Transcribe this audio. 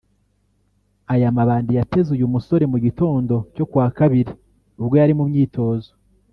Aya mabandi yateze uyu musore mu gitondo cyo ku wa Kabiri ubwo yari mu myitozo